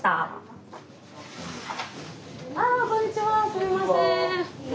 すいません。